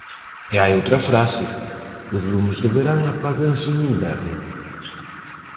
E hai outra frase: os lumes do verán apáganse no inverno.